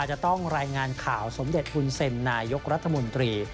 จะต้องรายงานข่าวสมเด็จฮุนเซ็มนายกรัฐมนตรี